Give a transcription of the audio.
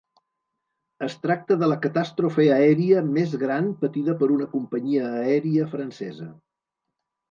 Es tracta de la catàstrofe aèria més gran patida per una companyia aèria francesa.